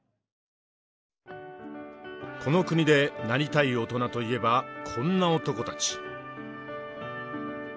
この国でなりたい大人といえばこんな男たち。